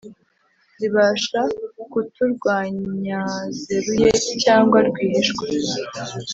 zibasha kuturwanyazeruye cyangwa rwihishwa